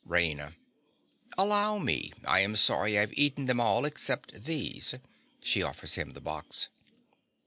_) RAINA. Allow me. I am sorry I have eaten them all except these. (_She offers him the box.